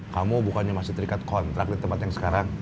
kamu bukannya masih terikat kontrak di tempat yang sekarang